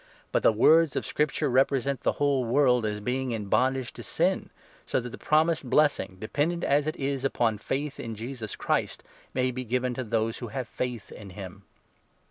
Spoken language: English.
But the words of Scripture represent 22 the whole world as being in bondage to sin, so that the promised blessing, dependent, as it is, upon faith in Jesus Christ, may be given to those who have faith in him.